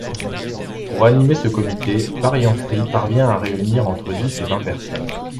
Pour animer ce comité, Varian Fry parvient à réunir entre dix et vingt personnes.